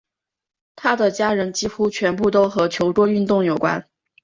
她的家人几乎全部都和桌球运动有关。